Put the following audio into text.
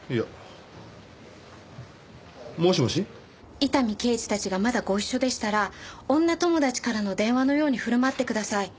伊丹刑事たちがまだご一緒でしたら女友達からの電話のように振る舞ってください。